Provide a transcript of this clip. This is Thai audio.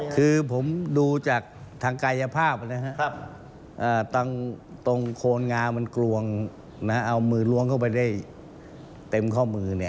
คือผมดูจากทางกายภาพนะครับตรงโคนงามันกลวงเอามือล้วงเข้าไปได้เต็มข้อมือ